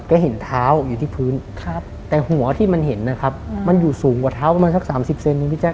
ก็เห็นเท้าอยู่ที่พื้นแต่หัวที่มันเห็นนะครับมันอยู่สูงกว่าเท้าประมาณสัก๓๐เซนนึงพี่แจ